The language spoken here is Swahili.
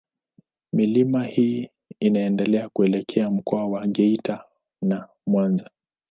Milima hii inaendelea kuelekea Mkoa wa Geita na Mwanza.